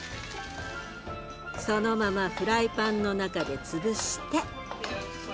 そのままフライパンの中で潰して。